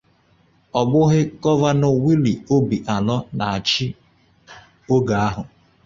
Ọ bụghị Gọvanọ Willie Obianọ na-achị oge ahụ